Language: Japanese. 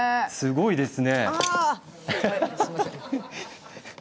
すごいですね。